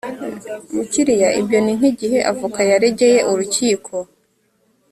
mukiriya ibyo ni nk igihe avoka yaregeye urukiko